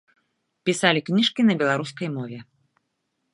Пісалі кніжкі на беларускай мове.